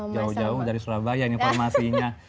jauh jauh dari surabaya ini formasinya